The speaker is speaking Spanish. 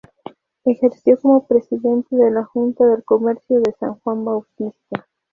Ejerció como presidente de la Junta del Comercio en San Juan Bautista.